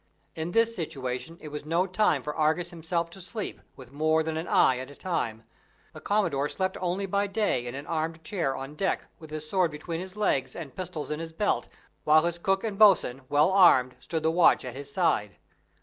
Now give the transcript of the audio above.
In this situation it was no time for Argus himself to sleep, with more than an eye at a time. The Commodore slept only by day in an armed chair on deck, with his sword between his legs, and pistols in his belt, while his cook and boatswain, well armed, stood the watch at his side.